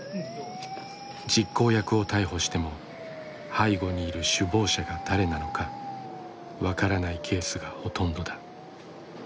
実行役を逮捕しても背後にいる首謀者が誰なのか分からないケースがほとんどだ。